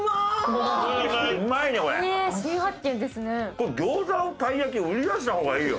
これ餃子のたい焼き売り出した方がいいよ。